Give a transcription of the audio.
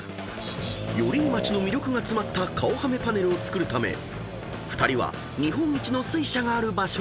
［寄居町の魅力が詰まった顔はめパネルを作るため２人は日本一の水車がある場所へ］